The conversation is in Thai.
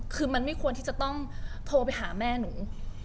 คือมันไม่ควรที่จะต้องโทรไปหาแม่หนู